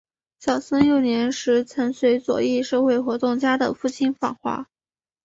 小森幼年时曾随左翼社会活动家的父亲访华。